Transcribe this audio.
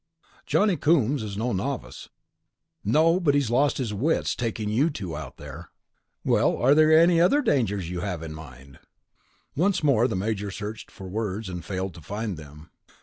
"Johnny Coombs is no novice." "No, but he's lost his wits, taking you two out there." "Well, are there any other dangers you have in mind?" Once more the Major searched for words, and failed to find them.